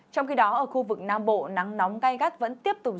trong khi đó ở khu vực nam bộ nắng nóng gai gắt vẫn tiếp tục